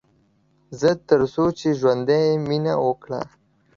تر څو چې ژوندی يې ، مينه وکړه